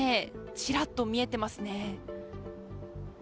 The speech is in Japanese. ちらっと見えていますね。